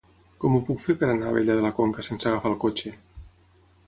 Com ho puc fer per anar a Abella de la Conca sense agafar el cotxe?